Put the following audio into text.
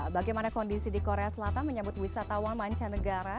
bagaimana kondisi di korea selatan menyambut wisatawan mancanegara